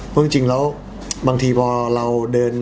เพราะจริงแล้วบางทีพอเราเดิน